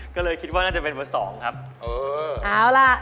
ก็เลยคิดว่าน่าจะเป็นเวอร์๒ครับ